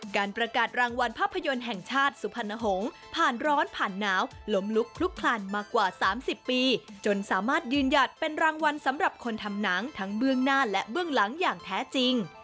การประกาศรางวัลภาพยนตร์แห่งชาติสุพรรณหงษ์ผ่านร้อนผ่านหนาวล้มลุกคลุกคลันมากว่า๓๐ปีจนสามารถยืนหยัดเป็นรางวัลสำหรับคนทำหนังทั้งเบื้องหน้าและเบื้องหลังอย่างแท้จริง